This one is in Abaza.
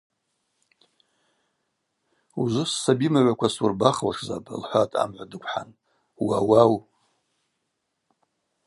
Ужвы ссабимыгӏваква суырбахуашзапӏ, – лхӏватӏ, амгӏва дыквхӏан – Уауау.